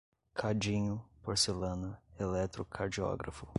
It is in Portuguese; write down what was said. cadinho, porcelana, eletrocardiógrafo